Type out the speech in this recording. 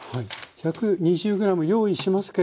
１２０ｇ用意しますけれども。